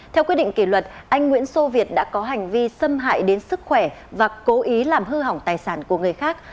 theo quyết định kỷ luật anh nguyễn sô việt đã có hành vi xâm hại đến sức khỏe và cố ý làm hư hỏng tài sản của người khác